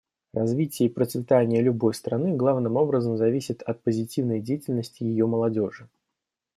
Развитие и процветание любой страны главным образом зависит от позитивной деятельности ее молодежи.